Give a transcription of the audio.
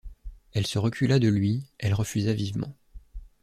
Elle se recula de lui, elle refusa vivement.